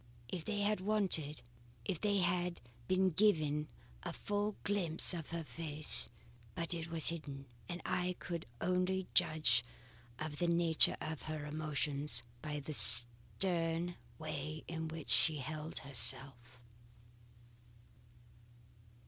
If they had waited if I had been given a full glimpse of her face But it was hidden, and I could only judge of the nature of her emotions by the stern way in which she held herself.